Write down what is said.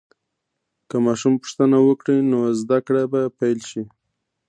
که ماشوم پوښتنه وکړي، نو زده کړه به پیل شي.